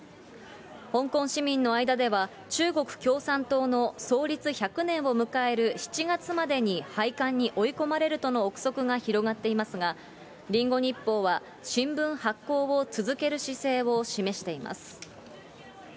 香港市民の間では、中国共産党の創立１００年を迎える７月までに廃刊に追い込まれるとの臆測が広がっていますが、リンゴ日報は、新聞発行を続ける姿勢を示しています。